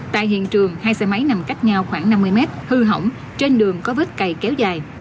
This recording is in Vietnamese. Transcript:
tại hiện trường hai xe máy nằm cách nhau khoảng năm mươi mét hư hỏng trên đường có vết cày kéo dài